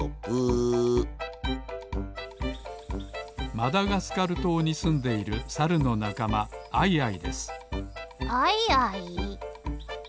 マダガスカルとうにすんでいるサルのなかまアイアイですアイアイ？